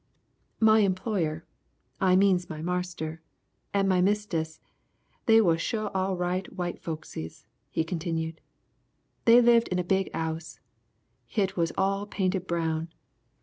"My employer, I means my marster, and my mistess, they was sho' all right white folkses," he continued. "They lived in the big 'ouse. Hit was all painted brown.